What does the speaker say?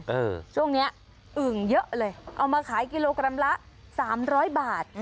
เออช่วงนี้อึ่งเยอะเลยเอามาขายกิโลกรัมละ๓๐๐บาท